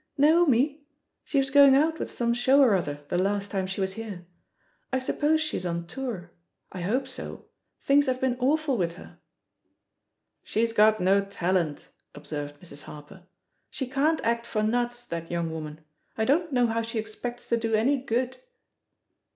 "Naomi? She was going out with some show or other, the last time she was h^re. I suppose 110 THE POSITION OF PEGGY HARPER she's on tour. I hope so ; things have been awful with her/' "She's got no talent," observed Mrs. Harper; "she can't act for nuts, that young woman. I don't know how she expects to do any good.'